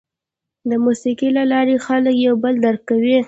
د موسیقۍ له لارې خلک یو بل درک کوي.